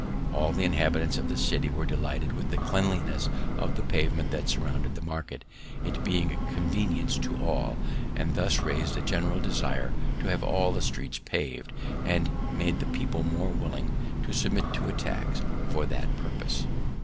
All the inhabitants of the city were delighted with the cleanliness of the pavement that surrounded the market, it being a convenience to all, and this rais'd a general desire to have all the streets paved, and made the people more willing to submit to a tax for that purpose.